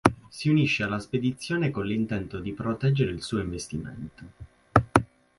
Si unisce alla spedizione con l'intento di proteggere il suo investimento.